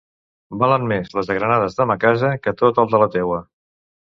Valen més les agranades de ma casa que tot el de la teua.